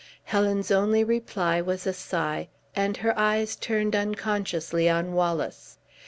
Helen's only reply was a sigh, and her eyes turned unconsciously on Wallace.